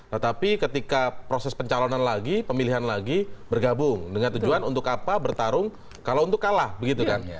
tetapi ketika proses pencalonan lagi pemilihan lagi bergabung dengan tujuan untuk apa bertarung kalau untuk kalah begitu kan